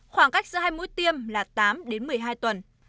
khoảng cách giữa hai mũi tiêm là tám đến một mươi hai tuần